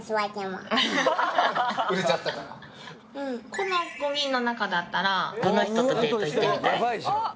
この５人のなかだったらどの人とデート行ってみたい？